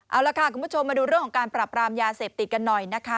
เอาล่ะค่ะคุณผู้ชมมาดูเรื่องของการปรับรามยาเสพติดกันหน่อยนะคะ